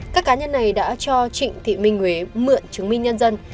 các cá nhân này đã cho trịnh thị minh huế mượn chứng minh nhân dân